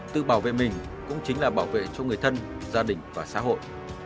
tự bảo vệ mình cũng chính là bảo vệ cho người thân gia đình và xã hội